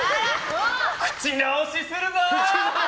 口直しするぞー！